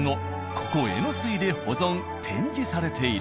ここえのすいで保存・展示されている。